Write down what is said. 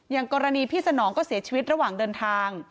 อย่างกรณีพี่สนองก็เสียชีวิตระหว่างเดินทาง